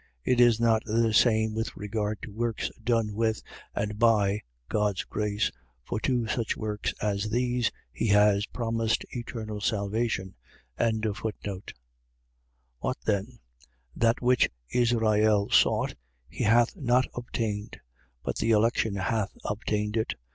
It is not the same with regard to works done with, and by, God's grace; for to such works as these, he has promised eternal salvation. 11:7. What then? That which Israel sought, he hath not obtained: but the election hath obtained it.